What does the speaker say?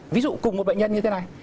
ví dụ cùng một bệnh nhân như thế này